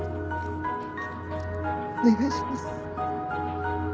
お願いします。